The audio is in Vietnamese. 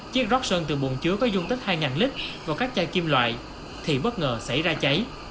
chiếc rót sơn từ bồn chứa có dung tích hai lít vào các chai kim loại thì bất ngờ xảy ra cháy